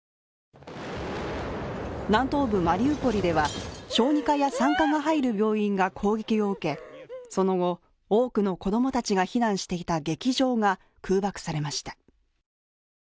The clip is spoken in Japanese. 南東部マリウポリでは小児科や産科が入る病院が攻撃を受けその後、多くの子供たちが避難していた劇場が空爆されました。